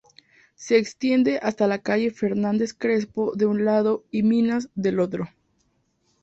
Se extiende hasta la calle Fernández Crespo, de un lado, y Minas, del otro.